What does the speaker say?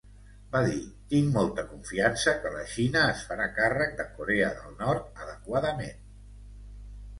Va dir, tinc molta confiança que la Xina es farà càrrec de Corea del Nord adequadament.